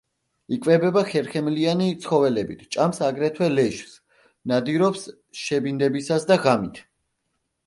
იკვებება ხერხემლიანი ცხოველებით, ჭამს აგრეთვე ლეშს, ნადირობს შებინდებისას და ღამით.